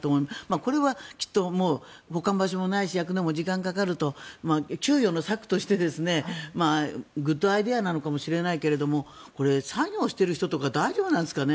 これはきっと、保管場所もないし焼くのも時間がかかると窮余の策としてグッドアイデアなのかもしれないけどこれ、作業している人とか大丈夫なんですかね。